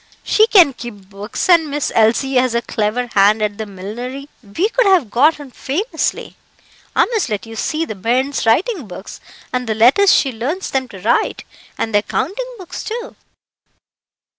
She can keep books, and Miss Elsie has a clever hand at the millinery; we could have got on famously. I must let you see the bairns' writingbooks, and the letters she learns them to write, and their counting books, too."